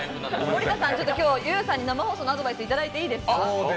森田さん、ＹＵさんに生放送のアドバイスいただいていいですか？